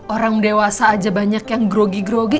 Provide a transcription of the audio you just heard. orang dewasa aja banyak yang grogi grogi